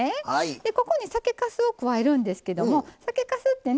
ここに酒かすを加えるんですけども酒かすってね